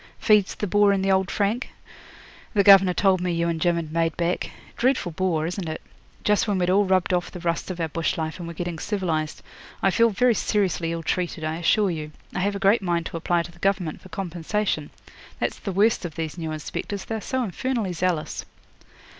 "Feeds the boar in the old frank?" The governor told me you and Jim had made back. Dreadful bore, isn't it? Just when we'd all rubbed off the rust of our bush life and were getting civilised. I feel very seriously ill treated, I assure you. I have a great mind to apply to the Government for compensation. That's the worst of these new inspectors, they are so infernally zealous.'